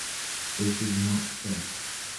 This is not safe.